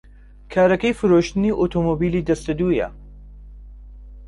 کارەکەی فرۆشتنی ئۆتۆمۆبیلی دەستی دوویە.